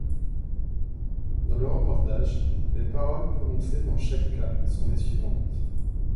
Dans le reportage, les paroles prononcées dans chaque cas sont les suivantes :